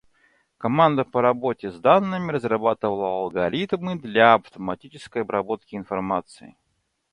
Команда по работе с данными разрабатывала алгоритмы для автоматической обработки информации.